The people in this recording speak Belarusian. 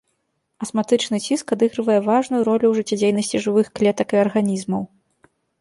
Асматычны ціск адыгрывае важную ролю ў жыццядзейнасці жывых клетак і арганізмаў.